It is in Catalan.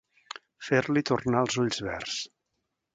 Fer-li tornar els ulls verds.